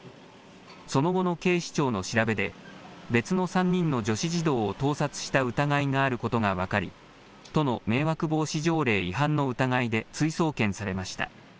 その後の警視庁の調べで別の３人の女子児童を盗撮した疑いがあることが分かり都の迷惑防止条例違反の疑いで追送検されました。